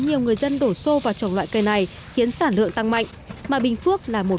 nhiều người dân đổ xô vào trồng loại cây này khiến sản lượng tăng mạnh mà bình phước là một